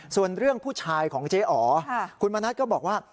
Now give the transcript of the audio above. ส่วนเรื่องผู้ชายของเจ๊อ๋อคุณมณัฐก็บอกว่า